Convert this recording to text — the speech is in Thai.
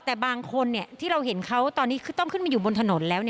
แต่บางคนที่เราเห็นเขาตอนนี้คือต้องขึ้นมาอยู่บนถนนแล้ว